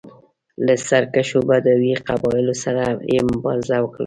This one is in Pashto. له سرکښو بدوي قبایلو سره یې مبارزه وکړه.